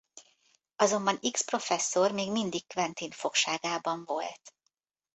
Azonban X professzor még mindig Quentin fogságában volt.